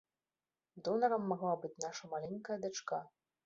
Донарам магла быць наша маленькая дачка.